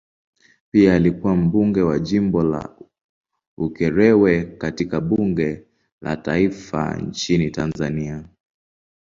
Pia alikuwa mbunge wa jimbo la Ukerewe katika bunge la taifa nchini Tanzania.